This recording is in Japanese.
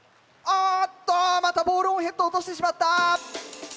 あまたボールオンヘッドを落としてしまった！